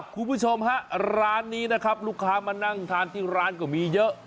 คุณผู้ชมฮะร้านนี้นะครับลูกค้ามานั่งทานที่ร้านก็มีเยอะ